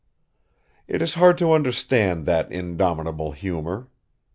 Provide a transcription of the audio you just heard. It is hard to understand that indomitable humor.